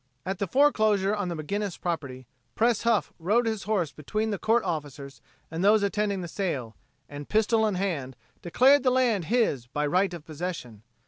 At the foreclosure on the McGinnis property, Pres Huff rode his horse between the court officers and those attending the sale, and pistol in hand declared the land his by right of possession.